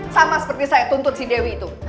sama seperti saya tuntut si dewi itu